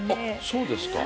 そうですか。